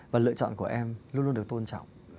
và lựa chọn của em luôn luôn được tôn trọng